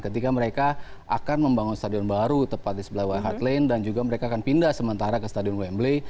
ketika mereka akan membangun stadion baru tepat di sebelah we hard lane dan juga mereka akan pindah sementara ke stadion wembley